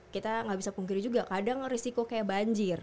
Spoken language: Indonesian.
kita nggak bisa pungkiri juga kadang risiko kayak banjir